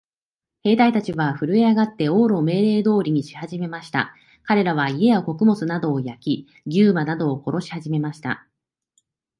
兵隊たちはふるえ上って、王の命令通りにしはじめました。かれらは、家や穀物などを焼き、牛馬などを殺しはじめました。